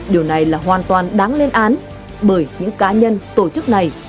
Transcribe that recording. điều này là hoàn toàn đáng lên án bởi những cá nhân tổ chức này